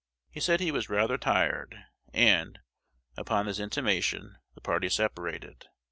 He said he was "rather tired;" and, upon this intimation, the party separated.